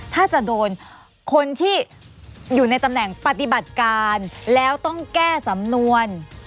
ถ้าจะโดนคนที่อยู่ในตำแหน่งปฏิบัติการแล้วต้องแก้สำนวน